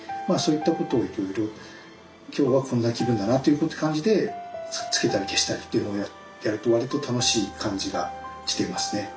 まあそういったことをいろいろ今日はこんな気分だなって感じでつけたり消したりというのをやるとわりと楽しい感じがしていますね。